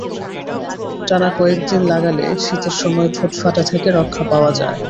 টানা কয়েক দিন লাগালে শীতের সময় ঠোঁট ফাটা থেকে রক্ষা পাওয়া যায়।